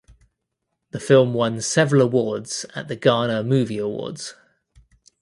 The film won several awards at the Ghana Movie Awards.